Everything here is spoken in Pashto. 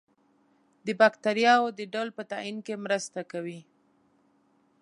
د باکتریاوو د ډول په تعین کې مرسته کوي.